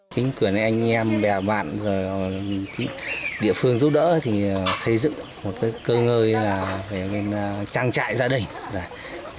chị địa phương giúp đỡ xây dựng một cơ ngơi trang trại gia đình